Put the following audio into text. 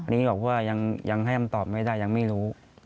แล้วบอกว่ายังยังให้ตอบไม่ได้ยังไม่รู้